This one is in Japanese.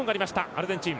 アルゼンチン。